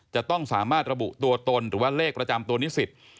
จะต้องสามารถระบุตัวตนหรือว่าเลขประจำตัวนิสิต